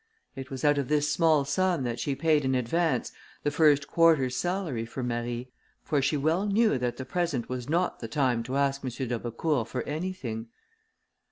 It was out of this small sum that she paid in advance, the first quarter's salary for Marie, for she well knew that the present was not the time to ask M. d'Aubecourt for anything.